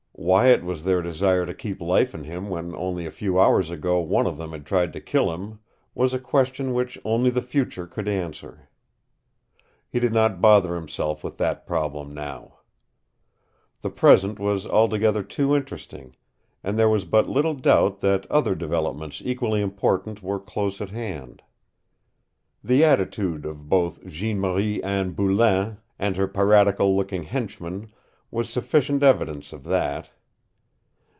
Why it was their desire to keep life in him when only a few hours ago one of them had tried to kill him was a. question which only the future could answer. He did not bother himself with that problem now. The present was altogether too interesting, and there was but little doubt that other developments equally important were close at hand. The attitude of both Jeanne Marie Anne Boulain and her piratical looking henchman was sufficient evidence of that.